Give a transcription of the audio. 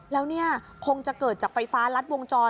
แล้วเนี่ยคงจะเกิดจากไฟฟ้ารัดวงจร